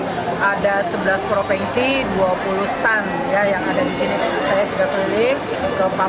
walau bagaimanapun rasa time perumahan menjadikan produk so dua kita memab admired sejakelerasi haga produk pada anda datang